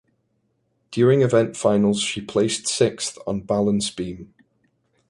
During event finals she placed sixth on balance beam.